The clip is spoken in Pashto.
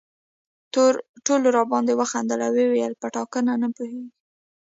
ټولو راباندې وخندل او ویې ویل په ټاکنه نه پوهېږي.